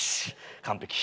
完璧。